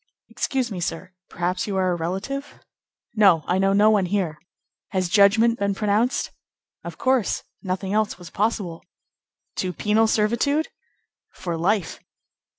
"Excuse me sir; perhaps you are a relative?" "No; I know no one here. Has judgment been pronounced?" "Of course. Nothing else was possible." "To penal servitude?" "For life."